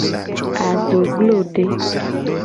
Adoglode.